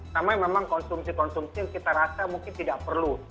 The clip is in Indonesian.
sama memang konsumsi konsumsi yang kita rasa mungkin tidak perlu